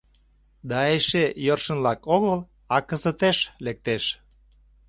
Да эше йӧршынлак огыл, а «кызытеш» лектеш!..